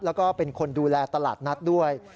แล้วก็เป็นคนดูแลตลาดนัดด้วย